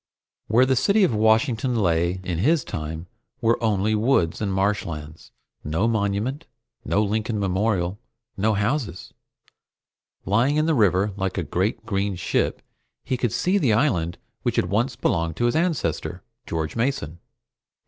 Where the city of Washington lay in his time were only woods and marshlands. No Monument, no Lincoln Memorial, no houses. Lying in the river like a great green ship, he could see the island which had once belonged to his ancestor, George Mason.